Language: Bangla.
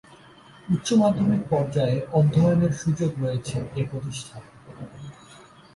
উচ্চ মাধ্যমিক পর্যায়ে অধ্যয়নের সুযোগ রয়েছে এ প্রতিষ্ঠানে।